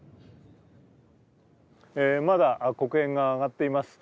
まだ黒煙が上がっています。